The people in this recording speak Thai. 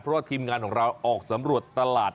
เพราะว่าทีมงานของเราออกสำรวจตลาด